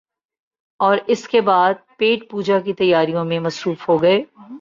اوراس کے بعد پیٹ پوجا کی تیاریوں میں مصروف ہو گئے ۔